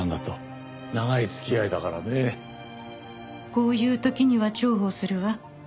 こういう時には重宝するわ。